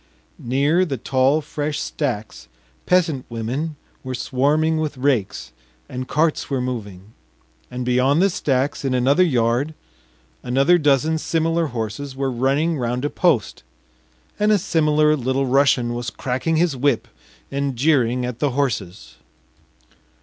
Near the tall fresh stacks peasant women were swarming with rakes, and carts were moving, and beyond the stacks in another yard another dozen similar horses were running round a post, and a similar Little Russian was cracking his whip and jeering at the horses.